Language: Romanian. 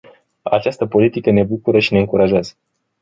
Această politică ne bucură și ne încurajează.